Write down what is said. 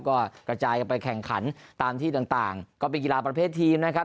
ก็กระจายกันไปแข่งขันตามที่ต่างก็เป็นกีฬาประเภททีมนะครับ